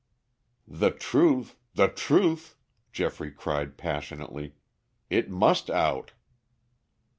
"The truth, the truth," Geoffrey cried passionately. "It must out."